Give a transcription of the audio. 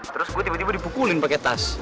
terus gue tiba tiba dipukulin pakai tas